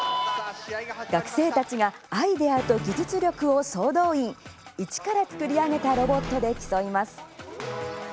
学生たちがアイデアと技術力を総動員一から作り上げたロボットで競います。